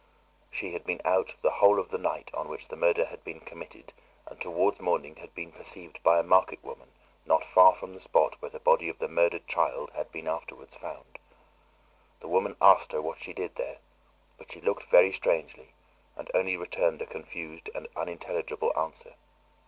She had been out the whole of the night on which the murder had been committed and towards morning had been perceived by a market woman not far from the spot where the body of the murdered child had been afterwards found. The woman asked her what she did there, but she looked very strangely and only returned a confused and unintelligible answer.